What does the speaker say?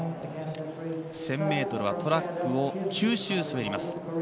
１０００ｍはトラックを９周滑ります。